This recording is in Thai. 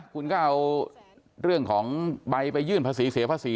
คุณก็เอาเรื่องของใบไปยื่นภาษีเสียภาษี